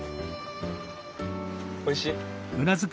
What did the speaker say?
おいしい？